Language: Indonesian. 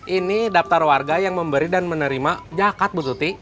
ini daftar warga yang memberi dan menerima jakat bu tuti